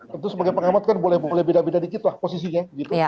tentu sebagai pengamat kan boleh beda beda dikit lah posisinya